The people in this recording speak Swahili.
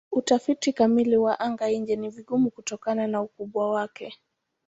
Utafiti kamili wa anga-nje ni vigumu kutokana na ukubwa wake.